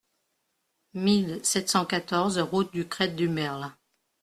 mille sept cent quatorze route du Crêt du Merle